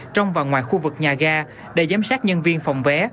trong và ngoài khu vực nhà ga để giám sát nhân viên phòng vé